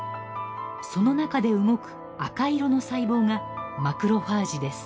その中で動く赤色の細胞がマクロファージです。